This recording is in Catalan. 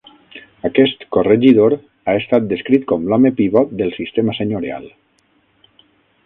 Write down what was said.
Aquest "corregidor" ha estat descrit com "l'home pivot del sistema senyorial".